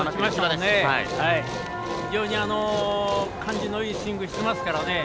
非常に感じのいいスイングしていますからね。